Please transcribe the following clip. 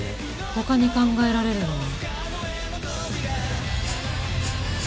他に考えられるのは。